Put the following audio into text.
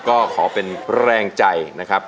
ก็ขอเป็นแรงใจนะครับ